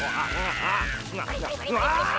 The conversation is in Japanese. ああ！